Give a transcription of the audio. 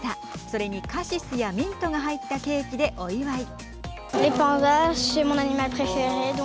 それに、カシスやミントが入ったケーキでお祝い。